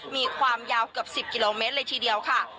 มีความยาวเกือบ๑๐กิโลเมตรเลยทีเดียวค่ะ